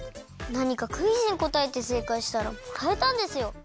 なにかクイズにこたえてせいかいしたらもらえたんですよ。